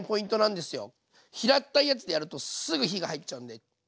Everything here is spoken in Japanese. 平ったいやつでやるとすぐ火が入っちゃうんで。